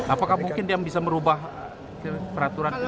apakah mungkin dia bisa merubah peraturan itu